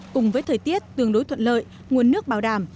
cùng với thời tiết tương đối thuận lợi nguồn nước bảo đảm